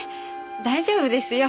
大丈夫ですよ。